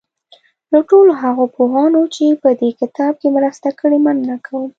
له ټولو هغو پوهانو چې په دې کتاب کې مرسته کړې مننه کوم.